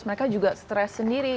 mereka juga stres sendiri